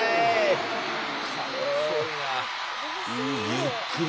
ゆっくり。